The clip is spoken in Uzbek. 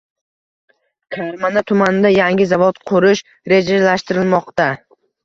Karmana tumanida yangi zavod qurish rejalashtirilmoqdang